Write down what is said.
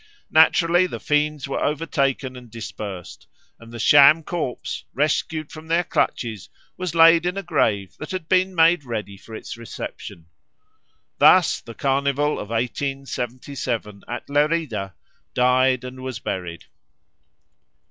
Naturally the fiends were overtaken and dispersed; and the sham corpse, rescued from their clutches, was laid in a grave that had been made ready for its reception. Thus the Carnival of 1877 at Lerida died and was buried.